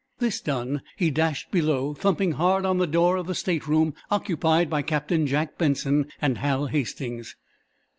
This done, he dashed below, thumping hard on the door of the stateroom occupied by Captain Jack Benson and Hal Hastings.